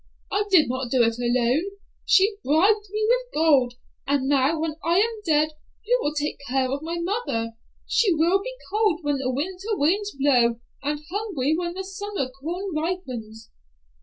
I did not do it alone. She bribed me with gold, and now when I am dead, who will take care of my mother? She will be cold when the winter winds blow, and hungry when the summer corn ripens."